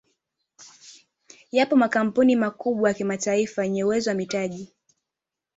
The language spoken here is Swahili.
Yapo makampuni makubwa ya kimataifa yenye uwezo wa mitaji